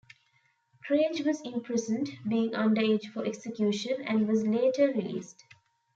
Craig was imprisoned, being under-age for execution, and was later released.